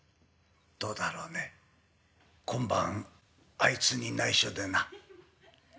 どうだろうね今晩あいつにないしょでなこう」。